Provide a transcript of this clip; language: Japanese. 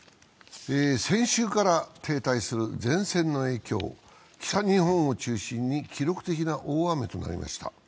先週から停滞する前線の影響、北日本を中心に記録的な大雨となりました。